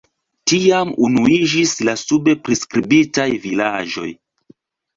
Tiam unuiĝis la sube priskribitaj vilaĝoj.